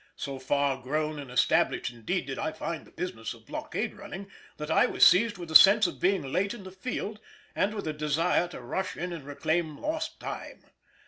So far grown and established indeed did I find the business of blockade running, that I was seized with a sense of being late in the field and with a desire to rush in and reclaim lost time.